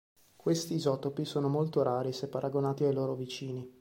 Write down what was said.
Questi isotopi sono molto rari se paragonati ai loro vicini.